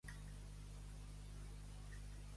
Mare vella i camisa vella no deshonren.